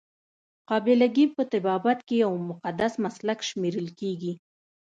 قابله ګي په طبابت کې یو مقدس مسلک شمیرل کیږي.